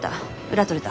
裏取れた。